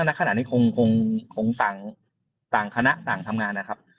ณขณะนี้คงต่างคณะต่างทำงานนะครับ